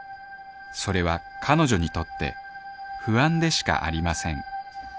それは彼女にとって不安でしかありません